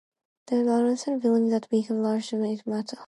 The donation is also believed to be the largest ever made by Mattel.